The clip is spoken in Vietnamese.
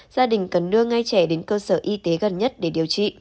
gia đình cần đưa ngay trẻ đến cơ sở y tế gần nhất để điều trị